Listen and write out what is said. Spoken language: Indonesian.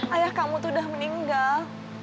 ayah kamu tuh udah meninggal